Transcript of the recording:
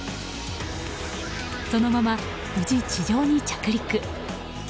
そのまま無事、地上に着陸。